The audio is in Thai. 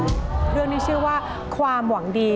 ช่วยสนับสนุนของคุณ